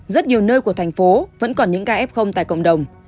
rất nhiều nơi của thành phố vẫn còn những kf tại cộng đồng